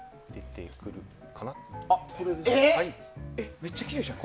めっちゃきれいじゃん。